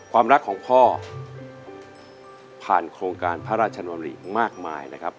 ความรักของพ่อผ่านโครงการพระราชนริมากมายนะครับ